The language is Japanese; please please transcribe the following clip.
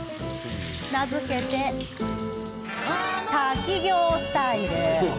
名付けて滝行スタイル。